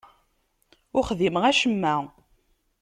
Ur xdimeɣ acemma.